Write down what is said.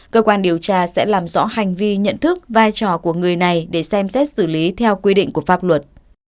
cơ quan điều tra sẽ làm rõ hành vi nhận thức vai trò của người này để xem xét xử lý theo quy định của pháp luật